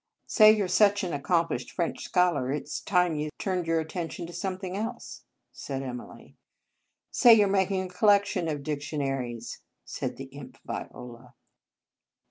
" Say you re such an accomplished French scholar, it s time you turned your attention to something else," said Emily. " Say you re making a collection of dictionaries," said the imp, Viola.